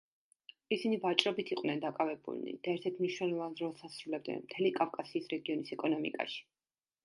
ისინი ვაჭრობით იყვნენ დაკავებულნი და ერთ-ერთ მნიშვნელოვან როლს ასრულებდნენ მთელი კავკასიის რეგიონის ეკონომიკაში.